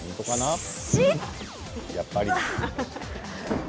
やっぱり。